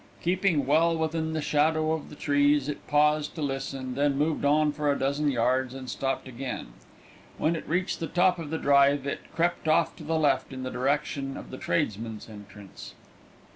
Keeping well within the shadow of the trees, it paused to listen, then moved on for a dozen yards and stopped again. When it reached the top of the drive it crept off to the left in the direction of the tradesmen's entrance.